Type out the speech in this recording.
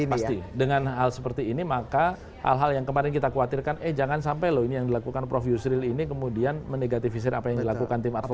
pasti dengan hal seperti ini maka hal hal yang kemarin kita khawatirkan eh jangan sampai loh ini yang dilakukan prof yusril ini kemudian menegatifisir apa yang dilakukan tim advokat